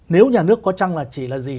nếu nhà nước có chăng là chỉ là gì